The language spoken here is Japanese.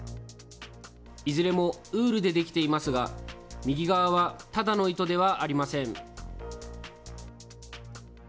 いずれもウールで出来ていますが、右側はただの糸ではありません。